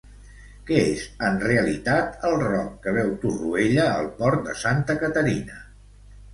Què és en realitat el roc que veu Torroella al port de Santa Caterina?